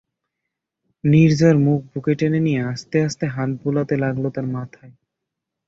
নীরজার মুখ বুকে টেনে নিয়ে আস্তে আস্তে হাত বুলোতে লাগল তার মাথায়।